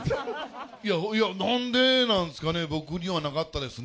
いや、いや、なんでなんですかね、僕にはなかったですね。